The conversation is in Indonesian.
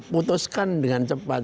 putuskan dengan cepat